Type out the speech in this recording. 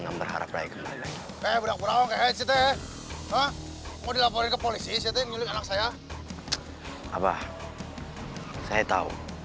abah saya tahu